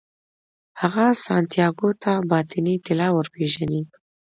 هغه سانتیاګو ته باطني طلا ورپېژني.